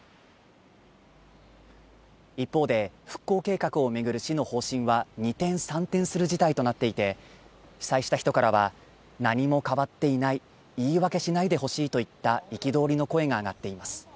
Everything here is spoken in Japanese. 一方で、復興計画を巡る市の方針は二転三転する事態となっていて、被災した人からは何も変わっていない言い訳しないで欲しいといった憤りの声が上がっています